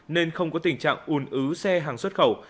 nên không có tình trạng ùn ứ xe hàng xuất khẩu